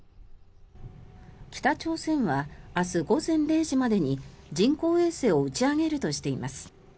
北朝鮮は明日午前０時までに人工衛星を打ち上げるとしています。